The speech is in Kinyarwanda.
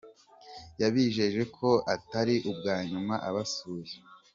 Yabijeje ko atari ubwa nyuma abasuye.